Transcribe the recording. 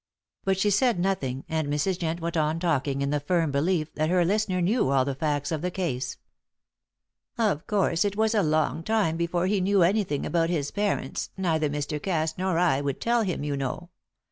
But she said nothing, and Mrs. Jent went on talking in the firm belief that her listener knew all the facts of the case. "Of course, it was a long time before he knew anything about his parents neither Mr. Cass nor I would tell him, you know.